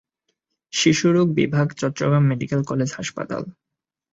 শিশুরোগ বিভাগ Chittagong medical college হাসপাতাল